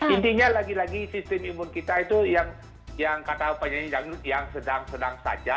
intinya lagi lagi sistem imun kita itu yang kata penyegdut yang sedang sedang saja